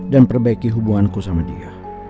dan perbaiki hubunganku sama dia